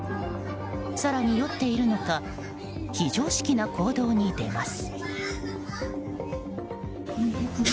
更に、酔っているのか非常識な行動に出ます。